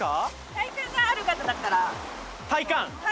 体幹がある方だったら。